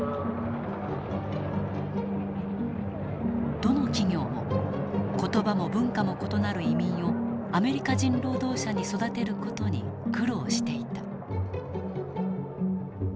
どの企業も言葉も文化も異なる移民をアメリカ人労働者に育てる事に苦労していた。